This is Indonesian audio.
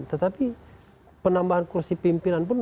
tetapi penambahan kursi pimpinan pun